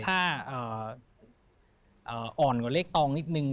ถ้าอ่อนกว่าเลขตองนิดนึง